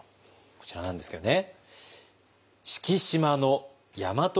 こちらなんですけどね。